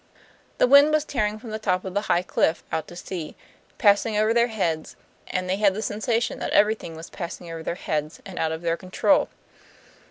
The wind was tearing from the top of the high cliff out to sea, passing over their heads, and they had the sensation that everything was passing over their heads and out of their control.